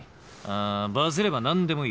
あバズれば何でもいい。